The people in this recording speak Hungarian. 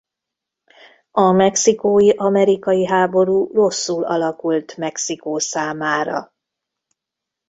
A mexikói–amerikai háború rosszul alakult Mexikó számára.